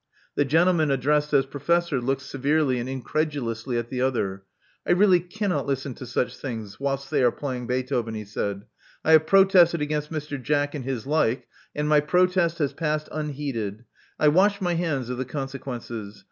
The gentleman addressed as Professor looked severely and incredulously at the other. I really cannot listen to such things whilst they are playing Beethoven, he said. I have protested against Mr. Jack and his like ; and my protest has passed unheeded. I wash my hands of the consequences.